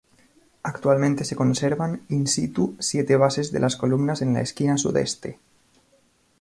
Actualmente se conservan "in situ" siete bases de las columnas en la esquina sudeste.